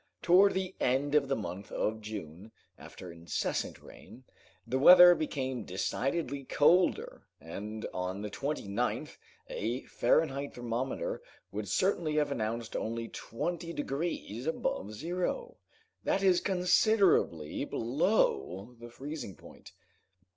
Towards the end of the month of June, after incessant rain, the weather became decidedly colder, and on the 29th a Fahrenheit thermometer would certainly have announced only twenty degrees above zero, that is considerably below the freezing point.